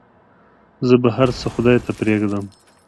زه به هرڅه خداى ته پرېږدم.